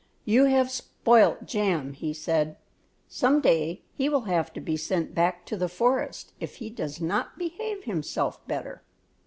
"You have spoilt Jam," he said. "Some day he will have to be sent back to the forest if he does not behave himself better."